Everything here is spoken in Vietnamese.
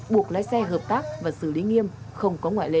buộc lái xe hợp tác và xử lý nghiêm không có ngoại lệ